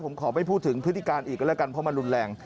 ผมขอไม่พูดถึงพฤติการอีกก็แล้วกันเพราะมันรุนแรง